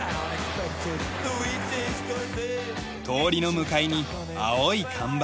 通りの向かいに青い看板。